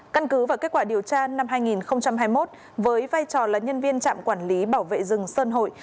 căn cứ và kết quả điều tra năm hai nghìn hai mươi một với vai trò là nhân viên trạm quản lý bảo vệ rừng sơn hội